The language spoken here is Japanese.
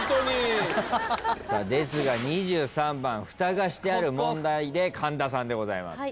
ですが２３番ふたがしてある問題で神田さんでございます。